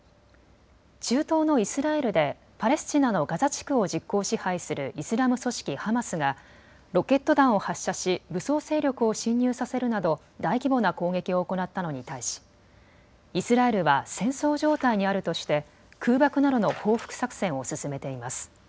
中東のイスラエルでパレスチナのガザ地区を実効支配するイスラム組織ハマスがロケット弾を発射し武装勢力を侵入させるなど大規模な攻撃を行ったのに対し、イスラエルは戦争状態にあるとして空爆などの報復作戦を進めています。